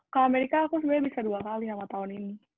kalau amerika aku sebenarnya bisa dua kali sama tahun ini